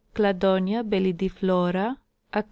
Cladonia bellidiflora, (Ach.)